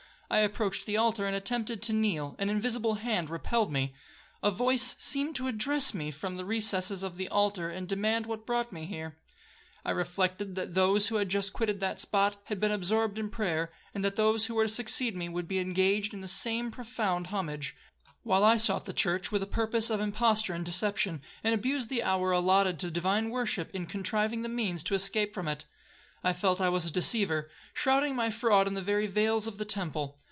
I approached the altar, and attempted to kneel,—an invisible hand repelled me. A voice seemed to address me from the recesses of the altar, and demand what brought me there? I reflected that those who had just quitted that spot had been absorbed in prayer, that those who were to succeed me would be engaged in the same profound homage, while I sought the church with a purpose of imposture and deception, and abused the hour allotted to the divine worship in contriving the means to escape from it. I felt I was a deceiver, shrouding my fraud in the very veils of the temple.